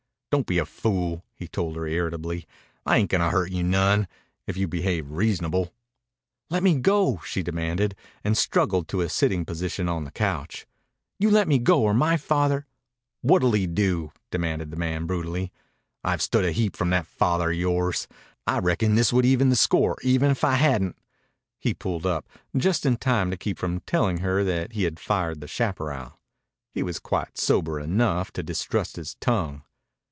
"Don't be a fool," he told her irritably. "I ain't gonna hurt you none if you behave reasonable:" "Let me go," she demanded, and struggled to a sitting position on the couch. "You let me go or my father " "What'll he do?" demanded the man brutally. "I've stood a heap from that father of yore's. I reckon this would even the score even if I hadn't " He pulled up, just in time to keep from telling her that he had fired the chaparral. He was quite sober enough to distrust his tongue.